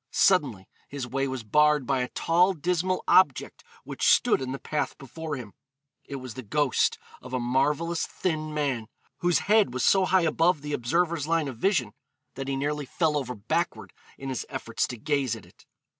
Suddenly his way was barred by a tall dismal object which stood in the path before him. It was the ghost of a marvellous thin man, whose head was so high above the observer's line of vision that he nearly fell over backward in his efforts to gaze at it.